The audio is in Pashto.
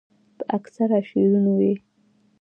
پۀ اکثره شعرونو ئې